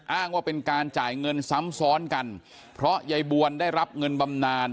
อ้างว่าเป็นการจ่ายเงินซ้ำซ้อนกันเพราะยายบวนได้รับเงินบำนาน